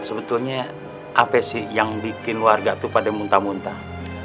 sebetulnya apa sih yang bikin warga itu pada muntah muntah